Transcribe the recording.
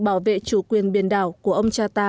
bảo vệ chủ quyền biển đảo của ông cha ta